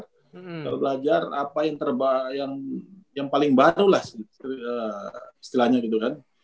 kalau belajar apa yang terbaik yang paling baru lah sih istilahnya gitu kan